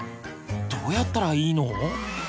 どうやったらいいの？